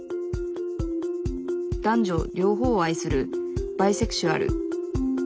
男女両方を愛するバイセクシュアル。